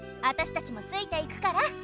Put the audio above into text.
アタシたちもついていくから。